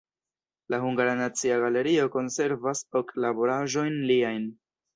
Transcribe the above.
La Hungara Nacia Galerio konservas ok laboraĵojn liajn.